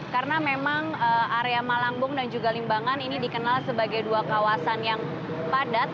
karena memang area malangbong dan juga limbangan ini dikenal sebagai dua kawasan yang padat